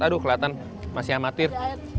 aduh kelihatan masih amatir